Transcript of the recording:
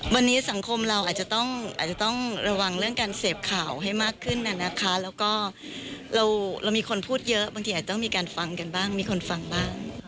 วันนี้สังคมเราอาจจะต้องอาจจะต้องระวังเรื่องการเสพข่าวให้มากขึ้นน่ะนะคะแล้วก็เรามีคนพูดเยอะบางทีอาจจะต้องมีการฟังกันบ้างมีคนฟังบ้าง